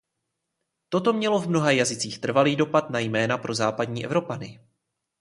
Toto mělo v mnoha jazycích trvalý dopad na jména pro západní Evropany.